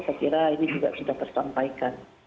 saya kira ini juga sudah tersampaikan